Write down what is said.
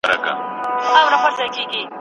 شیخه په خلکو به دې زر ځله ریا ووینم